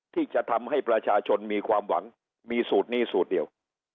ที่จะทำให้ประชาชนมีความหวังมีสูตรนี้สูตรเดียว